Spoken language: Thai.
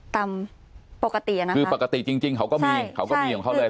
ตามปกตินะครับคือปกติจริงเขาก็มีของเขาเลย